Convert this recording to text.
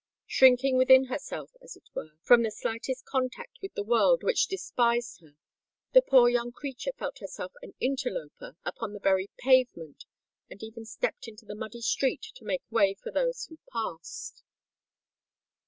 Shrinking within herself, as it were, from the slightest contact with the world which despised her, the poor young creature felt herself an interloper upon the very pavement, and even stepped into the muddy street to make way for those who passed.